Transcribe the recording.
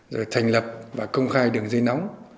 rồi thành lập và công khai đường dây nóng